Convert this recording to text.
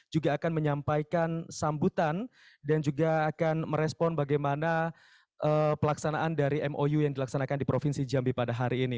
juga akan menyampaikan sambutan dan juga akan merespon bagaimana pelaksanaan dari mou yang dilaksanakan di provinsi jambi pada hari ini